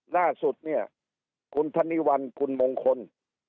ล่าสุดเนี่ยคุณธนิวัลคุณมงคล